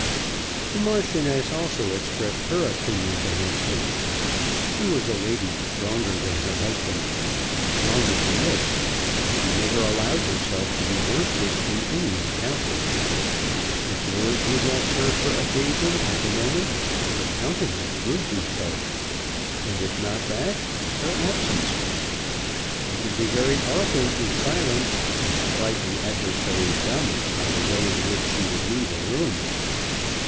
The Marchioness also expressed her opinion to Hampstead. She was a lady stronger than her husband; stronger in this, that she never allowed herself to be worsted in any encounter. If words would not serve her occasion at the moment, her countenance would do so, and if not that, her absence. She could be very eloquent with silence, and strike an adversary dumb by the way in which she would leave a room.